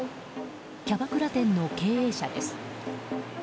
キャバクラ店の経営者です。